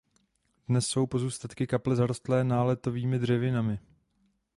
Dnes jsou pozůstatky kaple zarostlé náletovými dřevinami.